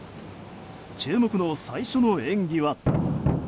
注目の最初の演技は。